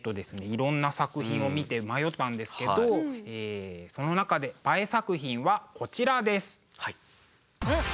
いろんな作品を見て迷ったんですけどその中でＢＡＥ作品はこちらです！